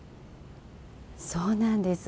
そうなんです。